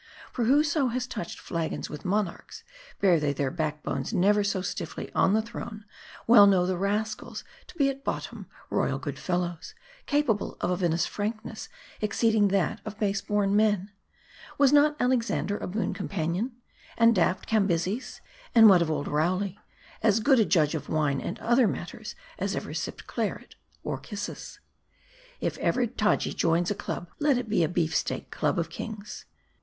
For whoso has touched flagons with monarchs, bear they their back bones never so stiffly on the throne, well know the rascals, to be at bottom royal good fellows ; capable of a vinous frankness exceeding that of base born men. Was not Alexander a boon companion ? And daft Cambyses ? and what of old Rowley, as good a judge of wine and other matters, as ever sipped claret or If ever Taji joins a club, be it a Beef Steak Club of Kings